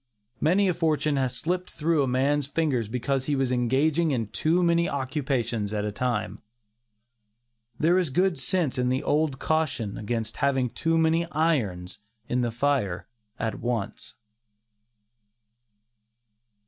Many a fortune has slipped through a man's fingers because he was engaging in too many occupations at a time. There is good sense in the old caution against having too many irons in the fire at once.